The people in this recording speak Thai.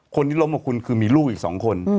คนที่ล้มกับคุณคือมีลูกอีก๒คน